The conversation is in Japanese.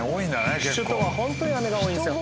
結構首都は本当に雨が多いんですよ